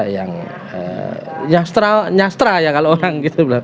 yang nyastra ya kalau orang gitu